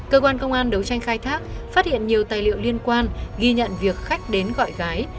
cơ quan công an đấu tranh khai thác phát hiện nhiều tài liệu liên quan ghi nhận việc khách đến gọi gái